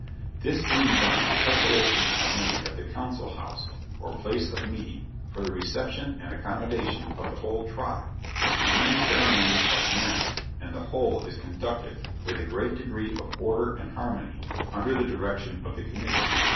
This being done, preparations are made at the council house, or place of meeting, for the reception and accommodation of the whole tribe; and then the ceremonies are commenced, and the whole is conducted with a great degree of order and harmony, under the direction of the committee.